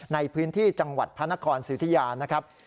ในพื้นที่จังหวัดพระนครสิทธิยานะครับ